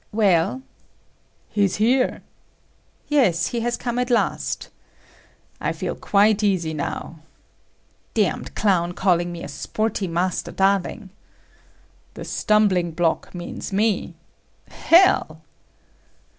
"Well." "He's here." "Yes, he has come at last." "I feel quite easy now." "Damned Clown called me a sporty Master Darling." "The stumbling[R] block means me. Hell!"